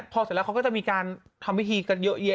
พอเสร็จแล้วเขาก็จะมีการทำพิธีกันเยอะแยะ